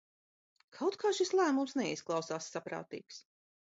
Kaut kā šis lēmums neizklausās saprātīgs.